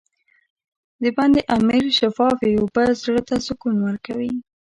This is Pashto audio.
د بند امیر شفافې اوبه زړه ته سکون ورکوي.